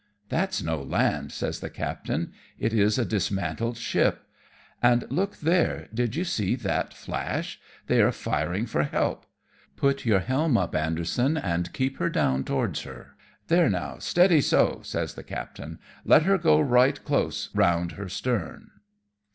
" That's no land," says the captain, " it is a dis mantled ship ; and now look there, did you see that 62 AMONG TYPHOONS AND PIRATE CRAFT. flash ? they are firing for help. Put your helm up, Anderson, and keep her down towards her. There now, steady so," says the captain, "^ let her go right close round her stern."